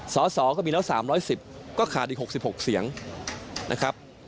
สสก็มีแล้ว๓๑๐ก็ขาดอีก๖๖เสียงนะครับ